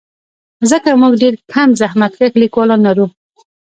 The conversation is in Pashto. ځکه موږ ډېر کم زحمتکښ لیکوالان لرو.